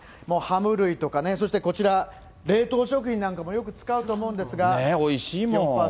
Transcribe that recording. もうハム類とかね、そしてこちら、冷凍食品なんかもよく使うと思うおいしいもん。